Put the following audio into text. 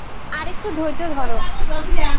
আরেকটু ধৈর্য ধর।